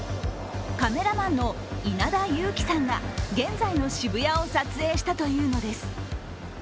カメラマンのイナダユウキさんが現在の渋谷を撮影したというのです。